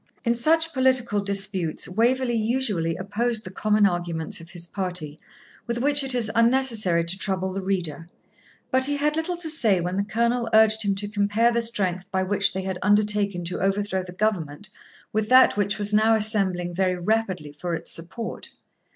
In such political disputes Waverley usually opposed the common arguments of his party, with which it is unnecessary to trouble the reader. But he had little to say when the Colonel urged him to compare the strength by which they had undertaken to overthrow the government with that which was now assembling very rapidly for its support.